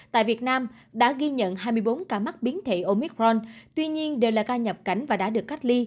tại việt nam đã ghi nhận hai mươi bốn ca mắc biến thể omicron tuy nhiên đều là ca nhập cảnh và đã được cách ly